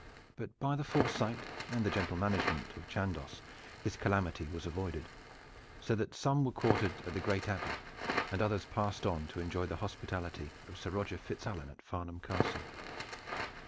But by the foresight and the gentle management of Chandos this calamity was avoided, so that some were quartered at the great Abbey and others passed on to enjoy the hospitality of Sir Roger FitzAlan at Farnham Castle.